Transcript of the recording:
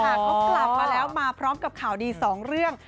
เขากลับมาแล้วมาพร้อมกับข่าวดีสองเรื่อง